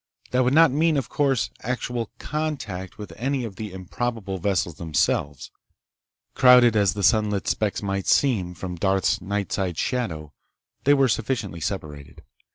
That would not mean, of course, actual contact with any of the improbable vessels themselves. Crowded as the sunlit specks might seem from Darth's night side shadow, they were sufficiently separated.